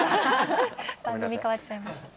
番組変わっちゃいました。